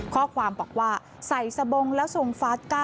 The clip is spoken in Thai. ข้อความบอกว่าใส่สบงแล้วทรงฟาส๙